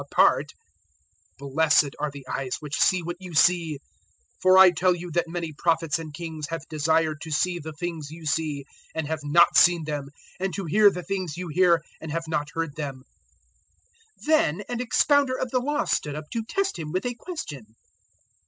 010:024 For I tell you that many Prophets and kings have desired to see the things you see, and have not seen them, and to hear the things you hear, and have not heard them." 010:025 Then an expounder of the Law stood up to test Him with a question.